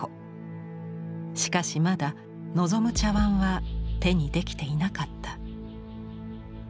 しかしまだ望む茶碗は手にできていなかった。